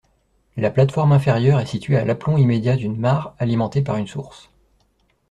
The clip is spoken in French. La plateforme inférieure est située à l’aplomb immédiat d’une mare alimentée par une source.